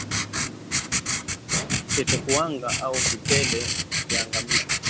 Tetekuwanga au Vipele vya ngamia